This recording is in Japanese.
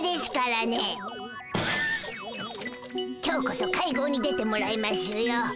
今日こそ会合に出てもらいましゅよ。